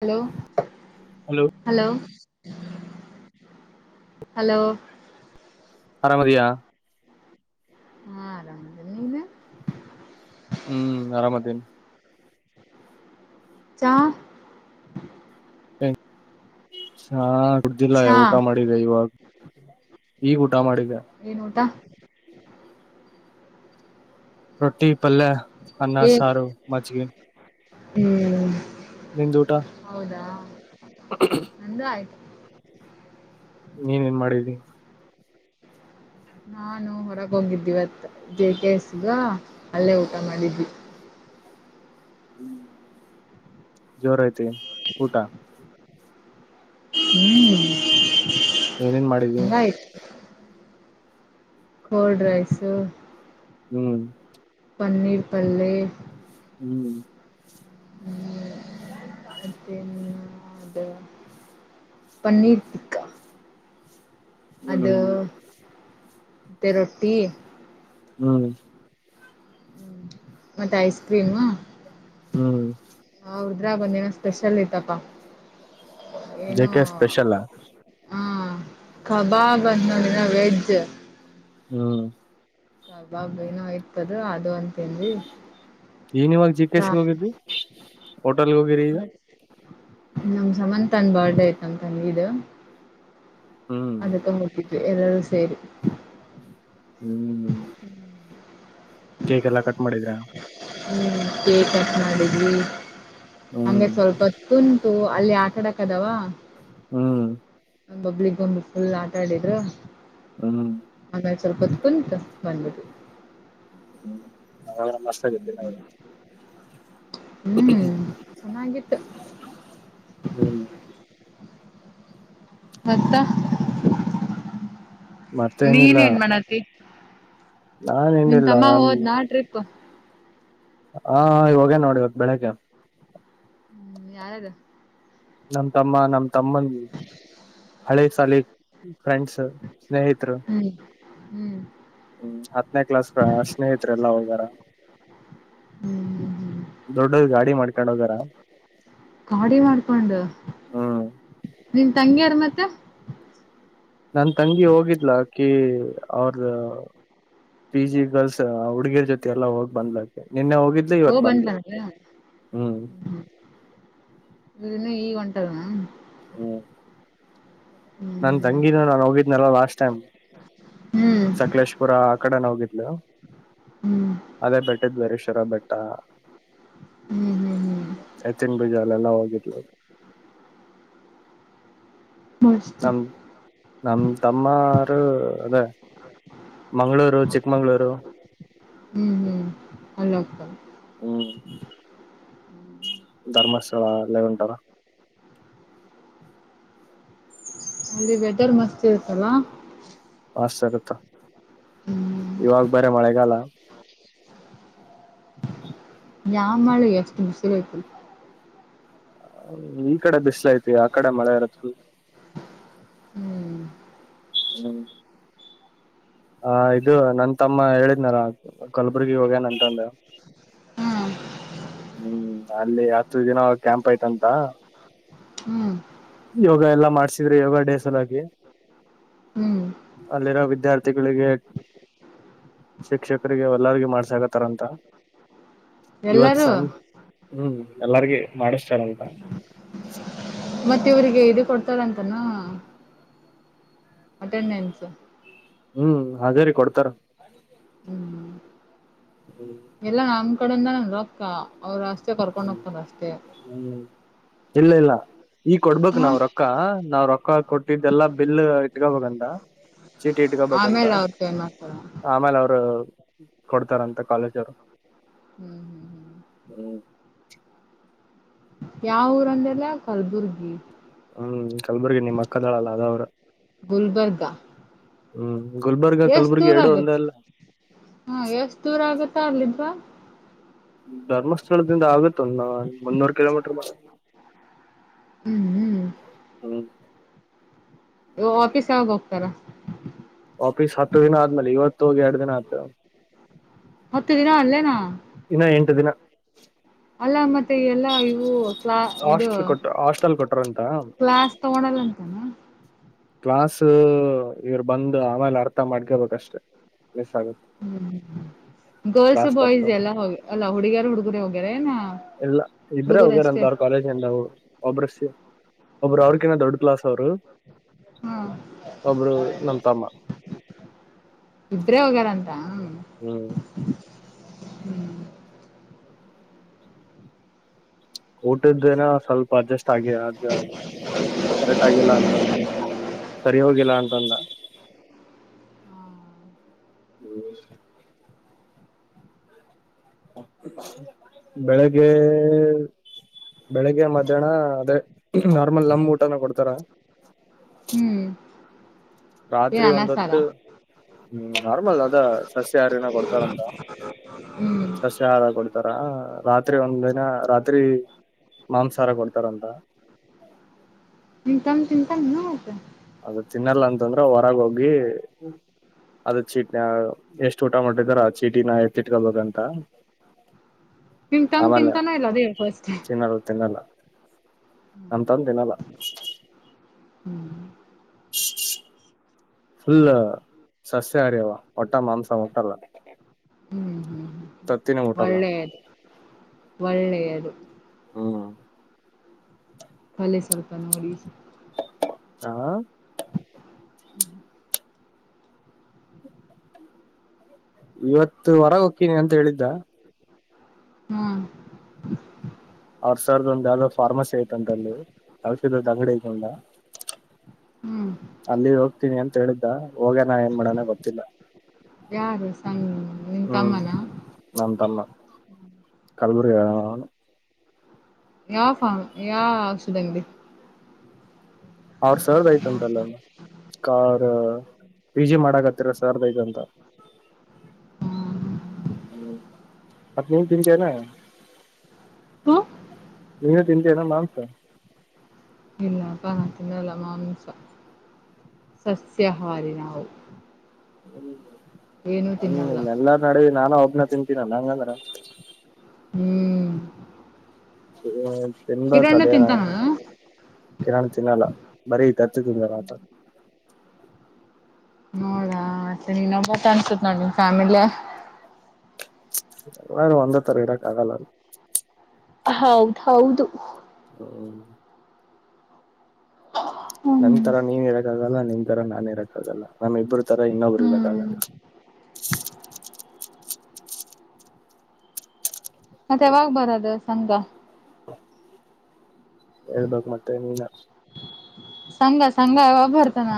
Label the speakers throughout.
Speaker 1: Hello hello hello
Speaker 2: ಆರಾಮದಯಾ
Speaker 1: ಹಾ ಆರಾಮ ನೀನು
Speaker 2: ಹ್ಮ್ ಆರಾಮದೇನ
Speaker 1: ಚಾ
Speaker 2: ಹಾ ಕುಡ್ದಿಲ್ಲ
Speaker 1: ಚಾ
Speaker 2: ಊಟ ಮಾಡಿದೆ ಇವಾಗ ಹ ಈಗ ಊಟ ಮಾಡಿದ್ದ
Speaker 1: ಏನ್ ಊಟ
Speaker 2: ರೊಟ್ಟಿ ಪಲ್ಲ ಅನ್ನ
Speaker 1: ಏ
Speaker 2: ಸಾರು ಮಜಗಿ
Speaker 1: ಹ್ಮ್
Speaker 2: ನಿಂದುಊಟಾ
Speaker 1: ಎಂದ ಆಯ್ತು
Speaker 2: ನೀನ್ ಏನ್ ಮಾಡಿದ್ದಿ
Speaker 1: ನಾನು ಹೊರಗ್ ಹೋಗಿದ್ದಿಿವತ್ತ ಜೆ ಕೆ ಎಸ್ಗ ಅಲ್ಲೇ ಊಟ ಮಾಡಿದ್ವಿ
Speaker 2: ಜೋರಐತಿ ಊಟ
Speaker 1: ಹ್ಮ್
Speaker 2: ಏನೇನ್ ಮಾಡಿದ್ವಿ
Speaker 1: ಹಂಗಾಯ್ತು ಕೋಲ್ಡ್ ರೈಸು
Speaker 2: ಹ್ಮ್
Speaker 1: ಪನ್ನೀರ್ಪಲ್ಲೆ
Speaker 2: ಹ್ಮ್
Speaker 1: ಹ್ಮ ಮನ್ನು ಅದ ಪನ್ನೀರ್ ತಿಕ್ಕಾ ಅದು
Speaker 2: ಹ್ಮ್
Speaker 1: ತ್ತ ರೋಟ್ಟಿ
Speaker 2: ಹ್ಮ್
Speaker 1: ಹ್ಮ ಮತ್ತೆ ಐಸ್ ಕ್ರೀಮ್
Speaker 2: ಹ್ಮ್
Speaker 1: ಹೃದ್ರ ಬಂದೇನ ಸ್ಪೆಷಲ್ ಐ್ದಪ್ಪ
Speaker 2: ಜಗೇ ಸ್ಪೆಷಲ್ ಆ
Speaker 1: ಹಾ ಕಬಾಬ್ ಅಂದ ನೋದಿನ ವೆಜ್ ಯಾಕೆ
Speaker 2: ಹ್ಮ್
Speaker 1: ಬಾಬ ನೋ ಆಯ್ತದ ಅದು ಅಂತ ತಿಂದ್ವಿ
Speaker 2: ಏನಿವಾಗ ಜಿ ಕೆಸ್ಗೆ ಹೋಗಿದ್ ಹೋಟೆಲ್ಗೆ ಹೋಗಿರಿ ಈಗ
Speaker 1: ನಮ್ ಸಮಂತನ್ ಬರ್ದೇ ಆಯ್ತಂತನ್ಗದು
Speaker 2: ಹ್ಮ್
Speaker 1: ಅಂದ ತೊಂಬೂ ಎಲ್ಲಾದೂ ಸೇರಿ
Speaker 2: ಹ್ಮ್ ಕೇಕ್ ಎಲ್ಲಾ ಕಟ್ ಮಾಡಿದ್ರಾ
Speaker 1: ಹ ಕೇಕ್ ಕಟ್ ಮಾಡವಿ
Speaker 2: ಹ್ಮ್
Speaker 1: ಹಂಗೆ ಸ್ವಲ್ಪ ತುನ್ ಅಲ್ಲಿ ಆಟ ಆಡಕ್ ಅದಾವ
Speaker 2: ಹ್ಮ್
Speaker 1: ನ ಪಬ್ಲಿಕ್ ಒಂದ ಫುಲ್ ಆಟ ಆಡಿದ್ರು
Speaker 2: ಹ್ಮ್
Speaker 1: ಸ್ವಲ್ಪತ್ ಕುಂತ ಬಂದ್ಬಿಟ್ಟು
Speaker 2: ಹ್ಮ್ ನಾವ ಮಷ್ಟ ಆಗಿದ್ದ
Speaker 1: ಹ್ಮ್ ಚೆನ್ನಾಗಿತ್ತು
Speaker 2: ಹ್ಮ್
Speaker 1: ಗತ್ತ ನೀನ್
Speaker 2: ಮತ್ತೇನಿಲ್ಲ
Speaker 1: ಏನ್ ಮಾಡಹತ್ತಿ
Speaker 2: ನಾನ್ ಹಂಡಿಲ್ಲ ನನ್
Speaker 1: ಹೋದ್ನಾ ಟ್ರಿಪ್
Speaker 2: ಹಾ ಇವಾಗೇ ನೋಡಿ ಇವತ್ತು ಬೆಳಗ್ಗೆ
Speaker 1: ಹ್ಮ್ ಯಾರಾರು
Speaker 2: ನಮ್ ತಮ್ಮ ನಮ ತಮ್ಮನ್ ಹಳೆ ಸಾಲಿ ಹ್ಮ್ ಫ್ರೆಂಡ್ಸ್ ಸ್ನೇಹಿತರು
Speaker 1: ಹ್ಮ್ ಹ್ಮ್
Speaker 2: ಹ್ಮ್ ಹತ್ತನೇ ಕ್ಲಾಸ್ ಸ್ನೇಹತ್ ಎಲ್ಲ ಹೋಗರ
Speaker 1: ಹ್ಮ್ ಹ್ಮ್ ಹ್ಮ್
Speaker 2: ದೊಡ್ಡ ಗಾಡಿ ಮಾಡ ಕಣಗರ
Speaker 1: ಗಾಡಿ ಮಾಡ್ಕೊಂಡು
Speaker 2: ಹ್ಮ್
Speaker 1: ನಿನ್ ತಂಗಿಯಾರ ಮತ್ತೆ
Speaker 2: ನನ್ ತಂಗಿ ಹೋಗಿದ್ಲಕಿ ಅವ್ರ ಪಿ ಜಿ ಗರ್ಲ್ಸ್ ಹುಡ್ಗಿರ್ ಜೊತೆ ಎಲ್ಲ ಹೋಗ್ ಬಂದ್ಲಕ್ಕೆ ನಿನ್ನೆ ಹೋಗಿದ್ಲ
Speaker 1: ಓ
Speaker 2: ಇವತ್ ಬಂದ್ಲ
Speaker 1: ಅವಳು
Speaker 2: ಹ್ಮ್
Speaker 1: ಇನ್ನು ಈಗಂಟದ
Speaker 2: ಹ್ಮ್ ನನ್ ತಂಗಿನೂ ನಾು ಹೋಗಿದ್ನಲ್ಲ ಲಾಸ್ಟ್ ಟೈಮ್
Speaker 1: ಹ್ಮ್
Speaker 2: ಸಕಲೇಶ್ಪುರ ಆ ಕಡೆನ ಹೋಗಿದ್ಲು
Speaker 1: ಹ್ಮ್ ಹ್ಮ್
Speaker 2: ಅದೇ ಬೆಟ್ಟದ್ ಬರೇಶ್ವರ ಬೆಟ್ಟ
Speaker 1: ಹ್ಮ್ ಹ್ಮ್
Speaker 2: ಎತ್ತಿನಭುಜ ಅಲ್ಲೆಲ್ಲಾ ಹೋಗ ಯಟ
Speaker 1: ಮಸ್ತ್
Speaker 2: ನಮ ನಮ ತಮ್ಮರು ಅದೇ ಮಂಗಳೂರು ಚಿಕ್ಕಮಂಗ್ಗಳೂರು
Speaker 1: ಹ್ಮ್ ಹ್ಮ್ ಅಲ್ಲಿ ಹೋಗ್ತಾವ
Speaker 2: ಹ್ಮ್ ಧರ್ಮಸ್ಥಳಲ್ಲ ಉಂಟಾರ
Speaker 1: ಅಲ್ಲಿ ವೆದರ್ ಮಸ್ತ್ ಇರುತ್ತಲ್ಲ
Speaker 2: ಹ ಸರ್ತ್ತ
Speaker 1: ಹ್ಮ್
Speaker 2: ಇವಾಗ ಬರ ಮಳೆಗಲ್ಲ
Speaker 1: ಾನ್ ಮಾಡಾಳ ಎಷ್ಟು ಬಷರಯತು
Speaker 2: ಹ ಈ ಕಡೆ ಬಿಸ್ಲ ಐತಿ ಆ ಕಡೆ ಮಳೆ ಇರತ್ತ
Speaker 1: ಹ್ಮ್
Speaker 2: ಹ್ಮ್ ಹ ಇದು ನ ತಮ್ಮ ಹೇಳಿದ್ನಾರ ಕಲ್ಬುರ್ಗಿ ಹೋಗ್ಯನಂತ ಒಂದು
Speaker 1: ಹಾ
Speaker 2: ಹ್ಮ್ ಅಲ್ಲಿ ಹತ್ತು ದಿನ ಕ್ಯಾಂಪ್ ಐ್ತಂತ
Speaker 1: ಹ್ಮ್
Speaker 2: ಯೋಗ ಎಲ್ಲಾ ಮಾಡ್ಸಿದ್ರೆ ಯೋಗ ಡೇ ಸಲಾಗಿ
Speaker 1: ಹ್ಮ್
Speaker 2: ಅಲ್ಲಿರೋ ವಿದ್ಯಾರ್ಥಿಗಳಿಗೆ ಶಿಕ್ಷಕರಿಗೆ ಎಲ್ಲಗ ಮಾಡ್ಸಕತ್ತಾರಂತ
Speaker 1: ಎಲ್ಲ
Speaker 2: ಸಾನ ಹ್ಮ್ ಎಲ್ಲಾರ್ಗ ಮಾಡಿಸ್ತಾರಂತ
Speaker 1: ಮತ್ತ ಇವ್ರಿಗೆ ಇದು ಕೊಡ್ತಳಂತಾನ ಅಟೆಂಡೆನ್ಸ್
Speaker 2: ಹ್ಮ್ ಹೇರಿ ಕೊಡ್ತಾರ
Speaker 1: ಹ್ಮ್
Speaker 2: ಹ್ಮ್
Speaker 1: ಎಲ್ಲಾ ನಮ ಕೊಡಂದ ನನ್ ರಕ್ಕ ಅವ್ರ ಕರ್ಕೊಂಡು ಹೋಗ್ತಾನ ಅಷ್ಟೇ
Speaker 2: ಹ್ಮ್ ಇಲ್ಲ ಇಲ್ಲ ಈಗ ಕೊಡ್ಬೇಕಕ್
Speaker 1: ಹ
Speaker 2: ನಾವ್ ರೊಕ್ಕ ನಾವ್ ರೊಕ್ಕ ಕೊಟ್ಟಿದ್ದೆಲ್ಲಾ ಬಿಲ್ ಇಟ್ಕಬಬೇಕ [unintelligible] ಚೀಟಿ ಇಟ್ಕಬೇಕಂತ
Speaker 1: ಆಮೇಲೆ ಅವ್ರ ಪೇ ಮಾಡ್ತಾರ ಹ್ಮ್
Speaker 2: ಆಮೇಲೆ ಅವರು ಕೊಡ್ತಾರಂತ ಕಾಲೇಜರು
Speaker 1: ಹ್ಮ್ ಹ್ಮ್ ಹ್ಮ್
Speaker 2: ಹ್ಮ್
Speaker 1: ಯಾವ ಊರ ಅಂದ್ರಲ್ಲ ಕಲ್ಬುರ್ಗಿ
Speaker 2: ಹ್ಮ್ ಕಲ್ಬುರ್ಗಿ ನಿಮ್ಮ್ ಅಕ್ಕದಾಳಲ್ಲ ಅದ ಅವ್ರ
Speaker 1: ಗುಲ್ಬರ್ಗ
Speaker 2: ಹ್ಮ್ ಗುಲ್ಬರ್ಗ
Speaker 1: ಎಷ್ಟ್
Speaker 2: ಕಲ್ಬುರ್ಗಿ
Speaker 1: ದೂರ
Speaker 2: ಎರಡು ಒಂದೇ
Speaker 1: ಆಗತ್
Speaker 2: ಅಲ್ಲ
Speaker 1: ಹಾ ಎಷ್ಟ್ ದೂರ ಆಗತ್ತಾ ಅಲ್ಲಿದ
Speaker 2: ಹ್ಮ್ ಧರ್ಮಸ್ಥಳದಿಂದ ಆಗುತ್ತ ಅ ಮುನ್ನೂರು ಕಿಲೋಮೀಟರ್
Speaker 1: ಹ್ಮ್ ಹ್ಮ್
Speaker 2: ಹ್ಮ್
Speaker 1: ಆಫೀಸ್ ಯಾವಾಗ ಹೋಗ್ತಾರ-
Speaker 2: ವಾಪೀಸ್ ಹತ್ತು ದಿನ ಆದ್ಮೇಲೆ ಇವತ್ತುಹೋಗಿ ಎರಡು ದಿನ ಆಯತ
Speaker 1: ಹತ್ತು ದಿನ ಅಲ್ಲೇನಾ
Speaker 2: ಇನ್ನ ಎಂಟು ದಿನ
Speaker 1: ಅಲ್ಲ ಮತ್ತೆ ಎಲ್ಲಾ ಇವು ಕ್ಲಾ ಇದು
Speaker 2: ಹಾಸ್ಟೆಲ್ ಕೊಟ್ಟ ಹಾಸ್ಟೆಲ್ ಕೊಟ್ರಂತ
Speaker 1: ಕ್ಲಾಸ್ ತಗೊಂಡಲ್ಲಂತಾನ
Speaker 2: ಕ್ಲಾಸ ಇವರು ಬಂದು ಆಮೇಲೆ ಅರ್ಥ ಮಾಡ್ಕೇಬೇಕಷ್ಟೆ ಮಿಸ್ ಆಗುತ್ತೆ
Speaker 1: ಹ್ಮ್ ಗರ್ಲ್ಸ್
Speaker 2: ಕ್ಲಾಸ್ ತಪ್ಪು
Speaker 1: ಬಾಯ್ಸ್ ಎಲ್ಲ ಹೋಗ ಅಲ್ಲಾ ಹುಡುಗಿಯಾರ ಹುಡುಗರ ಹೋಗ್ಯಾರ ಏನ
Speaker 2: ಎಲ್ಲ ಇಬ್ರೇ
Speaker 1: ಹುಡುಗರು
Speaker 2: ಹೋಗ್ಯಾರಂತ
Speaker 1: ಅಷ್ಟೇ
Speaker 2: ಅವ್ರ ಕಾಲೇಜ್ಂದವು ಒಬ್ಬ್ರ ಒಬ್ಬರು ಅವ್ರಕಿನ್ನ ದೊಡ್ಡ ಕ್ಲಾಸ್ ಅವರು
Speaker 1: ಹಾ
Speaker 2: ಒಬ್ರು ನಮ್ಮ ತಮ್ಮ-
Speaker 1: ಇಬ್ರೇ
Speaker 2: ಹ್ಮ್
Speaker 1: ಹ್ಮ್
Speaker 2: ಊಟದೇನಾ ಸ್ವಲ್ಪ ಅಡ್ಜಸ್ಟ್ ಅಗಿ ಅಗಿ ಅ ಕರೆಕ್ಟ್ ಆಗಿಲ್ಲ ಅಂತಂದ ಸರಿ ಹೋಗಿಲ್ಲ ಅಂತಂದ ಹ್ಮ್ ಬೆಳಗ್ಗೆ ಬೆಳಿಗ್ಗೆ ಮಧ್ಯಾಹ್ನ ಅದೇ ನಾರ್ಮಲ್ ನಮ್ ಊಟನ ಕೊಡ್ತಾರ
Speaker 1: ಹ್ಮ್ ಏನ್
Speaker 2: ರಾತ್ರಿ
Speaker 1: ಅನ್ನ
Speaker 2: ಒಂದ
Speaker 1: ಸಾರ
Speaker 2: ಹೊತ್ತು ಹ್ಮ ನಾರ್ಮಲ್ ಅದ ಸಸ್ಯಾಹಾರಿನ ಕೊಡ್ತಾರಂತ
Speaker 1: ಹ್ಮ್
Speaker 2: ಸಸ್ಯಾಹಾರ ಕೊಡ್ತಾರ ರಾತ್ರಿ ಒಂದ ಇನ್ನ ರಾತ್ರಿ ಮಾಂಸಾಹಾರ ಕೊಡ್ತಾರಂತ
Speaker 1: ನಿಂತಮ್ಮಂನು
Speaker 2: ಅದು ತಿನ್ನಲ್ಲ ಅಂತಂದ್ರ ಹೊರಗ ಹೋಗಿ ಅದ ಚೀಟ್ ಎಷ್ಟು ಊಟ ಮಾಡಟ್ಟಿದಾರೊ ಆ ಚೀಟಿನ ಎತ್ತಿಟ್ಕೊಬೇಕಂತ
Speaker 1: ನಿಮ್ ತಮ್
Speaker 2: ಆಮೇಲೆ
Speaker 1: ತಿಂತಾನ ಇಲ್ಲ ಅದೇ ಹೇಳ್ ಫಸ್ಟ್
Speaker 2: ಅಂತಂದೆನಲ್ಲ
Speaker 1: ಹ್ಮ್
Speaker 2: ಫುಲ್ ಸಸ್ಯಹಾರಿ ಅವ ಮಟ್ಟೆ ಮಾಂಸ ಮಟ್ಟಲ್ಲ
Speaker 1: ಹ್ಮ ಹ್ಮ
Speaker 2: ತತ್ತಿನೇ ಮುಟ್ಟಲ್ಲ
Speaker 1: ಒಳ್ಳೆಯದು
Speaker 2: ಹ್ಮ
Speaker 1: ಅಲ್ಲೇ ಸ್ವಲ್ಪ ನೋಡಿ
Speaker 2: ಹಾ
Speaker 1: ಹ್ಮ
Speaker 2: ಇವತ್ತು ಹೊರಗ್ ಹೋಕ್ತೀನಿ ಅಂತ ಹೇಳಿದ್ದ
Speaker 1: ಹ್ಮ
Speaker 2: ಸರ್ದು ಯಾವ್ದೊ ಒಂದ್ ಫಾರ್ಮಸಿ ಐತ್ ದಲ್ಲಿ ಔಷಧದ್ ಅಂಗಡಿ ಐತೊಂದ
Speaker 1: ಹ್ಮ್
Speaker 2: ಅಲ್ಲಿ ಹೋಗ್ತೀನಿ ಅಂತ್ ಹೇಳಿದ್ದ ಹೋಗ್ಯಾನ ಏನ್ ಮಾಡನ ಗೊತ್ತಿಲ್ಲ
Speaker 1: ಯಾರು ಸಣ್ಣ ನಿನ್
Speaker 2: ಹ್ಮ್
Speaker 1: ತಮ್ಮನ
Speaker 2: ನಮ ತಮ್ಮ ಕಲ್ಬರಿಗ ಆ
Speaker 1: ಯಾವ ಫಂ ಯಾವ ಔಷಧಂಗ್ಡಿ
Speaker 2: ಅವ್ರ ಸರ್ದ್ ಐಯ್ತಂತಲ್ಲೋ ಕಾ ಪಿ ಜಿ ಮಾಡಕತ್ತರ ಸರ್ದ್ ಐತಂತ ಮತ್ ನಿನ್ ತಿಂಚ ನ
Speaker 1: ಹ
Speaker 2: ನೀ ತಿಂತ್ಯೇನೋ ಮಾಂಸ
Speaker 1: ಇಲ್ಲಪ್ಪ ನಾನ್ ತಿನ್ನಲ್ಲ ಮಾಂಸ ಸಸ್ಯಾಹಾರಿ ನಾವು ಏನು
Speaker 2: ಹ್ಮ್
Speaker 1: ತಿನ್ನಲ್ಲ
Speaker 2: ಹ್ಮ ಎಲ್ಲಾ ನಡಿ ನಾನೂ ಒಬ್ ತಿನ್ನ ತಿಂತೀನ್ ಅಂಗಂದ್ರ
Speaker 1: ಹ್ಮ್
Speaker 2: ಹ
Speaker 1: ಕಿರಣ್ಣು ತಿಂತಾನೇನು
Speaker 2: ಕಿರಣ್ ತಿನ್ನಲ್ಲ ಬರೀ ಕತ್ತುದ್ದಣಾಂತ [inaudible]
Speaker 1: ನೋಡಾ ಮತ್ತೆ ನೀನ್ನೊಬ್ಬ ಅನ್ಸುತ್ ನೋಡ್ ನಂ ಫ್ಯಾಮಿಲ್
Speaker 2: ಎಲ್ಲಾರ್ ಒಂದೇ ತರ ಇರಕ್ಕೆ ಆಗಲ್ಲ
Speaker 1: ಹೌದ್ ಹೌದು
Speaker 2: ಹ್ಮ ನನ್
Speaker 1: ಹ್ಮ್
Speaker 2: ತರ ನೀವ ಇರಕ್ಕಾಗಲ್ಲ ನಿನ್ ತರ ನಾನೇ ಇರಕ್ಕ ಆಗಲ್ಲ ನಮಮ್ಮ ಇಬ್ಬರು ತರ ಇನ್ನೊಬ್ರು ಇರ
Speaker 1: ಹ್ಮ್
Speaker 2: [unintelligible]
Speaker 1: ಮತ್ತೆ ಯಾವಾಗ್ ಬರದು ಸಂಘ.
Speaker 2: [inaudible] ಹೇಳ್ಬೇಕ್ ಮತ್ತೆ ನೀನಾ.
Speaker 1: ಸಂಘ ಸಂಘ ಒಬ್ಬರ್ತಾನ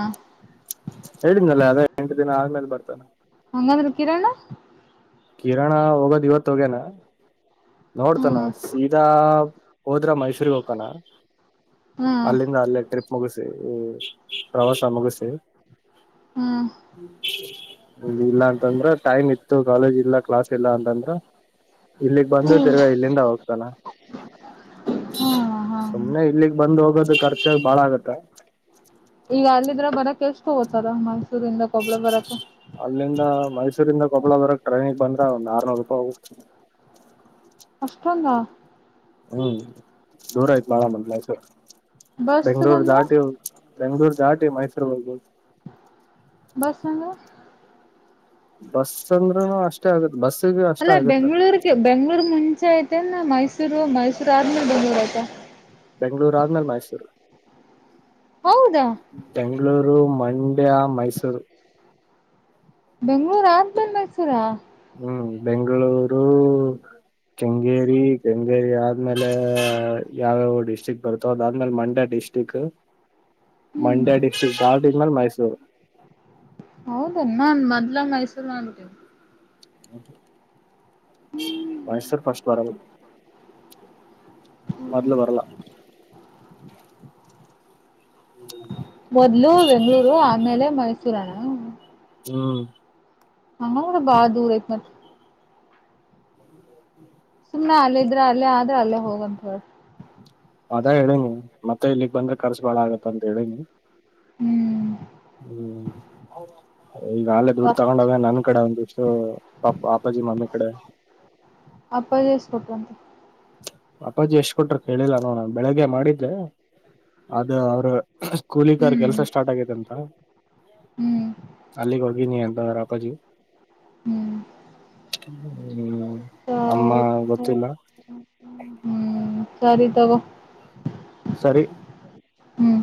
Speaker 2: ಹೇಳಿದ್ನಲ್ಲ ಅದ ಎಂಟು ದಿನ ಆದ್ಮೇಲೆ ಬರ್ತಾನ.
Speaker 1: ಅಂಗದ್ರೇ ಕಿರಣ್.
Speaker 2: ಕಿರಣ ಹೋಗೋದ್ ಇವತ್ತು ಹೋಗ್ಯನಾ.
Speaker 1: ಹ್ಮ
Speaker 2: ನೋಡ್ತಾನ ಸೀದಾ ಹೋದ್ರ ಮೈಸೂರ್ರಿಗೆ ಹೋಗಕಣ.
Speaker 1: ಹ್ಮ್
Speaker 2: ಅಲ್ಲಿಂದ ಅಲ್ಲೇ ಟ್ರಿಪ್ ಮುಗಿಸಿ ಈ ಪ್ರವಾಸ ಮುಗಸೀ.
Speaker 1: ಹ್ಮ್
Speaker 2: ಹ್ಮರಿ [inaudible] ಇಲ್ಲ ಅಂತಂದ್ರ ಟೈಮ್ ಇತ್ತು ಕಾಲೇಜ್ ಇಲ್ಲ ಕ್ಲಾಸ್ ಇಲ್ಲ ಅಂತಂದ್ರ ಇಲ್ಲಿಗ್ ಬಂದ ತಿರ್ಗಾ ಇಲ್ಲಿಂದ ಹೋಗ್ತಾನ
Speaker 1: ಹಾ ಹಾ
Speaker 2: ಸುಮನೆ ಇಲ್ಲಿಗ್ ಬಂದು ಹೋಗೋದು ಖರ್ಚಾಗ ಬಾಳ ಆಗುತ್ತೆ.
Speaker 1: ಈಗ ಅಲ್ಲಿದ್ರ ಬರಕ್ ಎಷ್ಟು ಹೋತಾರ ಮೈಸೂರಿಂದ ಕೊಬ್ಬಳ ಬರಕ್.
Speaker 2: ಅಲ್ಲಿಂದ ಮೈಸೂರಿಂದ ಕೊಬಳದರಕ್ ಟ್ರೈನಿಗೆ ಬಂದ್ರೆ ಒಂದ್ ಆರ್ನೂರು ರೂಪಾಯಿ ಹೋಗುತ್ತೆ.
Speaker 1: ಅಷ್ಟೊಂದ.
Speaker 2: ಹ್ಮ್ ದೂರ ಆತ್ತೆ ಬಹಳ ಮೈಸೂರು. ಬೆಂಗಳೂರು
Speaker 1: ಬಸ್ಗಂದ್ರ
Speaker 2: ದಾಟಿ ಹೋಗಬೇಕು. ಬೆಂಗಳೂರು ದಾಟಿ ಮೈಸೂರು ಹೋಗಬೋದು.
Speaker 1: ಬಸ್ ಬೇಂದ್ರೆ.
Speaker 2: ಬಸ್ ಅಂದ್ರ ಅಷ್ಟೇ ಆಗತ್ ಬಸ್.
Speaker 1: ಅಲ್ಲ ಬೆಂಗಳೂರಿಗೆ ಬೆಂಗಳೂರ್ ಮುಂ ಇತೆನ್ ಮೈಸೂರು ಮೈಸೂರ್ ಅಧ್ಮೆಮೇಲೆ ಬೆಂಗಳೂರು ಆಯ್ತಾ.
Speaker 2: ಬೆಂಗಳೂರು ಆದ್ಮೇಲೆ ಮೈಸೂರು.
Speaker 1: ಹೌದಾ
Speaker 2: ಮರು ಮಂಡ್ಯ ಮೈಸೂರು
Speaker 1: ಬೆಂಗಳೂರು ಆದ್ಮೇಲೆ ಮೈಸೂರ.
Speaker 2: ಹ್ಮ್ ಬೆಂಗಳೂರು ಕೆಂಗೇರಿ ಕೆಂಗೇರಿ ಆದ್ಮೇಲೆ ಯಾವ್ಯಾವ ಡಿಸ್ಟ್ರಿಕ್ ಬರ್ತೋ ಅದಾದ್ಮೇಲೆ ಮಂಡ್ಯ ಡಿಸ್ಟ್ರಿಕ್
Speaker 1: ಹ್ಮ್
Speaker 2: ಮಂಡ್ಯ ಡಿಸ್ಟ್ರಿಕ್ ಧಾಟಿಧ್ಮೇಲೆ ಮೈಸೂರು.
Speaker 1: ಹಮ್ಮನ್ ಮೊದಲೇ ಮೈಸೂರು
Speaker 2: ಮೈಸೂರು ಫಸ್ಟ್ ಬರಲಾ. ಮೊದಲು ಬರಲಾ.
Speaker 1: ಮೊದ್ಲು ಬೆಂಗಳೂರು ಆಮೇಲೆ ಮೈಸೂರನಾ
Speaker 2: ಹ್ಮ್
Speaker 1: ಹಡ ಬಾಳ ದೂರ ಐತ್ತೆ.
Speaker 2: ಹ್ಮ [inaudible]
Speaker 1: ಸುಮ್ನೆ ಅಲ್ಲೇ ಇದ್ರೆ ಅಲ್ಲೇ ಆದ್ರೆ ಅಲ್ಲೇ ಹೋಗಂತ ಬ
Speaker 2: ಅದ ಹೇಳಿನಿ ಮತ್ತೆ ಇಲ್ಲಿಗ್ ಬಂದ್ರೆ ಖರ್ಚು ಬಾಳ ಆಗತ್ತ ಅಂತ ಹೇಳಿನಿ
Speaker 1: ಹ್ಮ್
Speaker 2: ಹ್ಮ್ [unintelligible] ಈಗ ಆಲೆೇ ದುಡ್ಡು
Speaker 1: ಪರ್ತ್
Speaker 2: ತಗೊಂಡೋಗ ನನ್ ಕಡೆ ಒಂದಿಷ್ಟು ಪಾಪ ಅಪಾಜಿ ಮಮ್ಮಿ ಕಡೆ
Speaker 1: ಅಪ್ಪಾಜಿ ಇಸ್ಕೊಟ್ರಂತೆ
Speaker 2: ಅಪ್ಪಾಜಿ ಎಷ್ಟ್ ಕೊಟ್ರ ಹೇಳಿಲ್ಲ ನೋಡ ಬೆಳಿಗ್ಗೆ ಮಾಡಿ ಅ ಅದು ಅವ್ರ ಕೂಲಿಕಾರ್
Speaker 1: ಹ್ಮ್
Speaker 2: ಕೆಲ್ಸ ಸ್ಟಾರ್ಟ್ ಆಗೈತೆ ಅಂತ
Speaker 1: ಹ್ಮ್
Speaker 2: ಅಲ್ಲಿಗೆ ಹೋಗನಿ ಅಂತ ಹಾ ರಾಕಾಜ
Speaker 1: ಹ್ಮ್
Speaker 2: [unintelligible] ಹ್ಮ
Speaker 1: ಸ
Speaker 2: ಅಮ್ಮ ಗೊತ್ತಿಲ್ಲ
Speaker 1: ಹ್ಮ್ ಸರಿ ತಗೋ
Speaker 2: ಸರಿ
Speaker 1: ಹ್ಮ್